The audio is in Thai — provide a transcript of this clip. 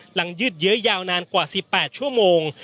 หลังยืดเยอะยาวกว่า๑๘ชั่วโมง